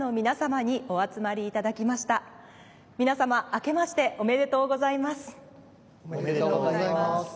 皆様あけましておめでとうございます。